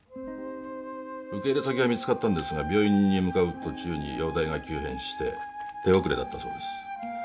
受け入れ先は見つかったんですが病院に向かう途中容体が急変して手遅れだったそうです